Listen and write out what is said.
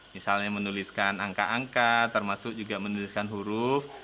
misalnya menuliskan angka angka termasuk juga menuliskan huruf